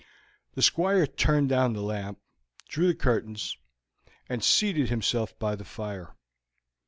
The Squire turned down the lamp, drew the curtains, and seated himself by the fire.